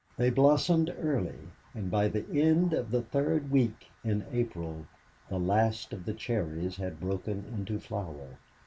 They blossomed early, and by the end of the third week in April the last of the cherries had broken into flower.